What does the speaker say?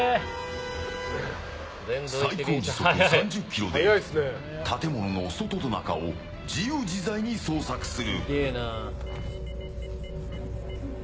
最高時速３０キロで建物の外と中を自由自在に捜索する。